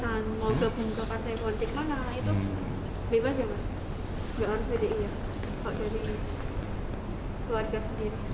kalau jadi keluarga sendiri